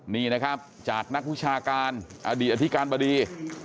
นี่นะครับจากนักวิชาการอดีตอธิการบดี